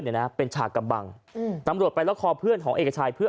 เนี่ยนะเป็นฉากำบังอืมตำรวจไปล็อกคอเพื่อนของเอกชัยเพื่อ